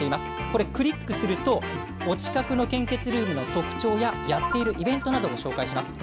これ、クリックすると、お近くの献血ルームの特徴や、やっているイベントなどを紹介します。